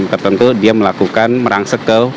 tertentu dia melakukan merangsek ke